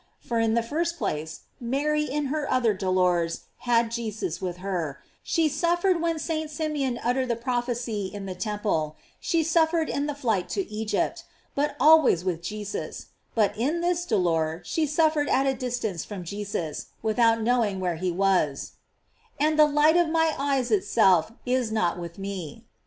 For in the first place, Mary in her other dolors had Jesus with her; she suffered when St. Simeon uttered the prophecy in the temple; she suffered in the flight to Egypt, but always with Jesus; but in this dolor she suffered at a distance from Jesus, without knowing where he was: "And the light of my eyes itself is not with me."